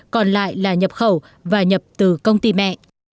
còn lại là nhập khẩu và nhập từ công ty mẹ